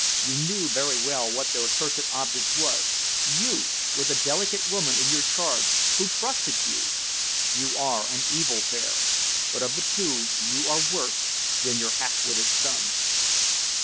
You knew very well what their accursed object was you, with a delicate woman in your charge who trusted you. You are an evil pair, but of the two you are worse than your half witted son."